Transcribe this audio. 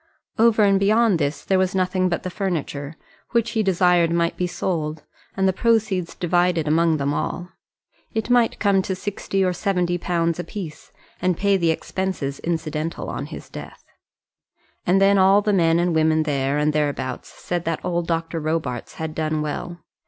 Over and beyond this there was nothing but the furniture, which he desired might be sold, and the proceeds divided among them all. It might come to sixty or seventy pounds a piece, and pay the expenses incidental on his death. And then all men and women there and thereabouts said that old Dr. Robarts had done well.